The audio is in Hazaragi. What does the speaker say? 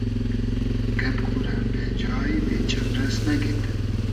گئب خورۂ بې جای , بې چئمرئس نئگید